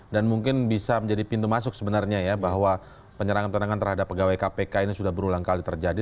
dan mungkin bisa menjadi pintu masuk sebenarnya ya bahwa penyerangan terhadap pegawai kpk ini sudah berulang kali terjadi